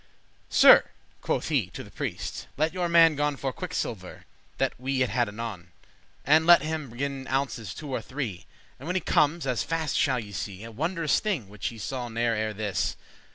* *villainy "Sir," quoth he to the priest, "let your man gon For quicksilver, that we it had anon; And let him bringen ounces two or three; And when he comes, as faste shall ye see A wondrous thing, which ye saw ne'er ere this."